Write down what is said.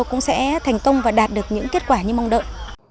cũng sẽ thành công và đạt được những kết quả như mong đợi